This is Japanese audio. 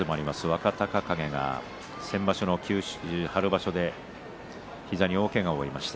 若隆景が先場所の春場所で膝に大けがを負いました。